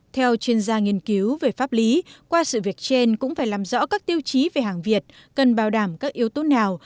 theo chuyên gia nghiên cứu về pháp lý qua sự việc trên cũng phải làm rõ các tiêu chí về hàng việt cần bảo đảm các yếu tố nào